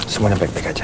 semuanya baik baik aja